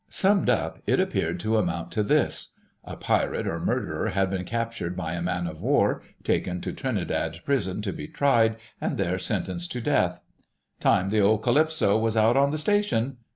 Summed up, it appeared to amount to this: A pirate or murderer had been captured by a man of war, taken to Trinidad prison to be tried, and there sentenced to death. "Time the old Calypso was out on the Station."